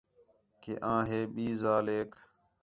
کہ آں ہِے ٻئی ذالیک